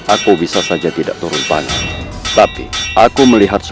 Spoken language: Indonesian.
aku bisa saja tidak turun panjang tapi aku melihat